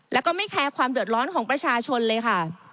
แล้วก็ไม่แคร์ความเดือดร้อนของประชาชนเลยค่ะ